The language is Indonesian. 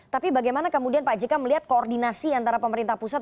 tapi bagaimana kemudian pak jk melihat koordinasi antara pemerintah pusat